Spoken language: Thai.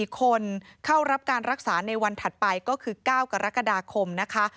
๔คนเข้ารับการรักษาในวันถัดไปก็คือ๙กรกฎาคมนะคะ